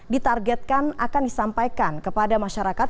ditargetkan akan disampaikan kepada masyarakat